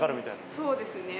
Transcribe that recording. そうですねえ